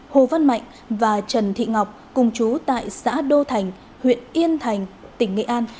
hồ văn mạnh và trần thị ngọc cùng chú tại xã đô thành huyện yên thành tỉnh nghệ an